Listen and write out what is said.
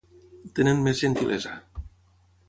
Tenen més gentilesa.